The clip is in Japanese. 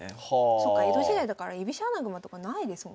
そっか江戸時代だから居飛車穴熊とかないですもんね。